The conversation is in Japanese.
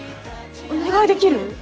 お願いできる？